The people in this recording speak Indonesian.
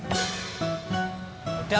udah lah seterah